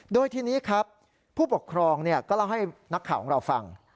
โดยทีนี้ครับผู้ปกครองก็เล่าให้นักข่าวของเราฟัง